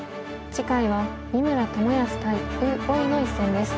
次回は三村智保対呉柏毅の一戦です。